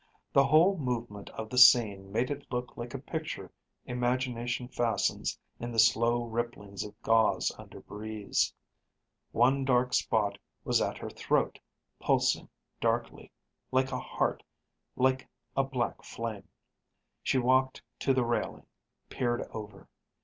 The whole movement of the scene made it look like a picture imagination fastens in the slow ripplings of gauze under breeze. One dark spot was at her throat, pulsing darkly, like a heart, like a black flame. She walked to the railing, peered over.